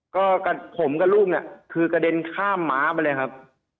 ก็ผมกับลูกน่ะคือกระเด็นข้ามม้าไปเลยครับ